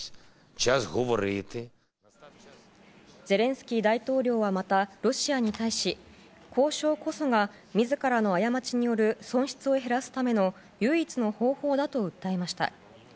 ゼレンスキー大統領はまたロシアに対し交渉こそが自らの過ちによる損失を減らすための唯一の方法だと訴えました。